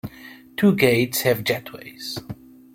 Two gates have jetways.